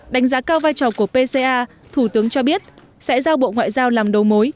đánh giá cao vai trò của pca thủ tướng cho biết sẽ giao bộ ngoại giao làm đầu mối